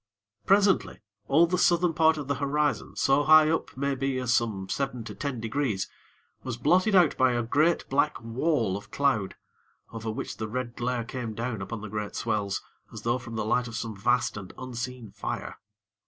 Presently, all the Southern part of the horizon so high up, maybe, as some seven to ten degrees, was blotted out by a great black wall of cloud, over which the red glare came down upon the great swells as though from the light of some vast and unseen fire.